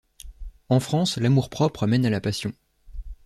En France l’amour-propre mène à la passion.